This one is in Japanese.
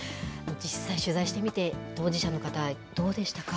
実際、取材してみて、当事者の方、どうでしたか。